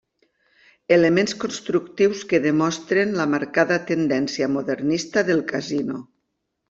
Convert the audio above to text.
Elements constructius que demostren la marcada tendència modernista del Casino.